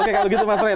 oke kalau gitu mas re